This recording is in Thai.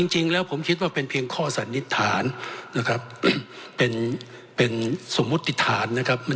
จริงแล้วผมคิดว่าเป็นเพียงข้อสันนิษฐานนะครับเป็นสมมุติฐานนะครับ